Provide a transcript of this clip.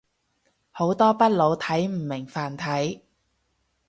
好多北佬睇唔明繁體